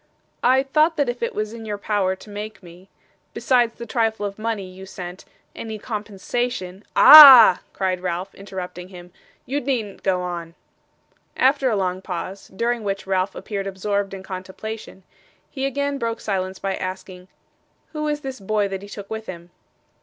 'I thought that if it was in your power to make me, besides the trifle of money you sent, any compensation ' 'Ah!' cried Ralph, interrupting him. 'You needn't go on.' After a long pause, during which Ralph appeared absorbed in contemplation, he again broke silence by asking: 'Who is this boy that he took with him?